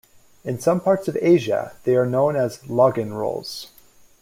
In some parts of Asia they are known as "laugen rolls".